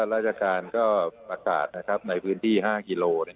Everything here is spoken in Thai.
ราชการก็ประกาศในพื้นที่๕กิโล